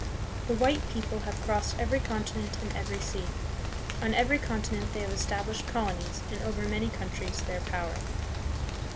The white people have crossed every con tinent and every sea. On every continent they, have estab lished colonies and over many countries their power.